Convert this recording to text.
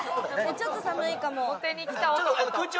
ちょっと寒いかも。